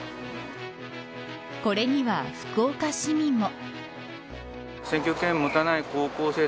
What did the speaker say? これには福岡市民も。